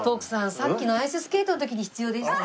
さっきのアイススケートの時に必要でしたね。